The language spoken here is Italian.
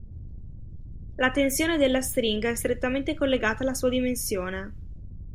La tensione della stringa è strettamente collegata alla sua dimensione.